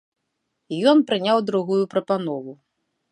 Ён прыняў другую прапанову.